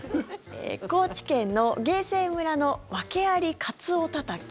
高知県の芸西村の訳ありカツオたたき